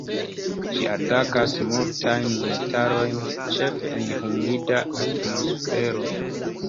Ĝi atakas multajn metalojn ĉefe en humida atmosfero.